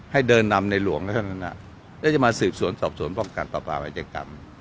ให้เดินนำในหลวงแล้วจะมาสืบสวนสอบสวนป้องกันประปาไว้จังกรรม